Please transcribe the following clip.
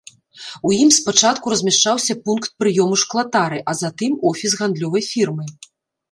У ім спачатку размяшчаўся пункт прыёму шклатары, а затым офіс гандлёвай фірмы.